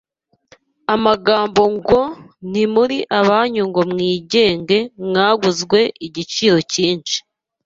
Amagambo ngo, “Ntimuri abanyu ngo mwigenge, mwaguzwe igiciro cyinshi”